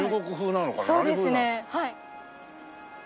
そうですねはい。